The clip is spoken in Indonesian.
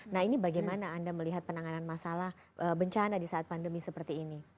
nah ini bagaimana anda melihat penanganan masalah bencana di saat pandemi seperti ini